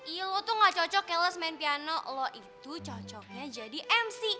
iya lo tuh gak cocok keles main piano lo itu cocoknya jadi mc